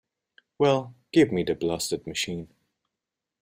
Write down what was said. Well, give me the blasted machine.